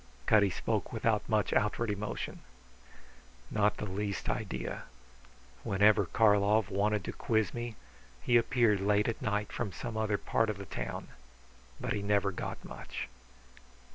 Cutty spoke without much outward emotion. "Not the least idea. Whenever Karlov wanted to quiz me, he appeared late at night from some other part of the town. But he never got much."